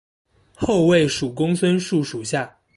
后为蜀公孙述属下。